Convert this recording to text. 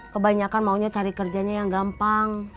kebanyakan maunya cari kerjanya yang gampang